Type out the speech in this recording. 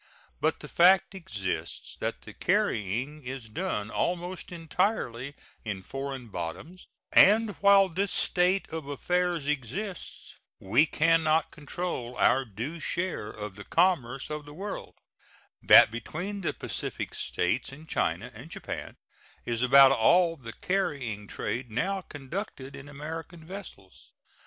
But the fact exists that the carrying is done almost entirely in foreign bottoms, and while this state of affairs exists we can not control our due share of the commerce of the world; that between the Pacific States and China and Japan is about all the carrying trade now conducted in American vessels.